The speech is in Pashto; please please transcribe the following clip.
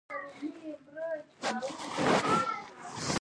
ایا ستاسو تولیدات معیاري نه دي؟